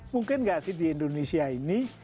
mungkin nggak sih di indonesia ini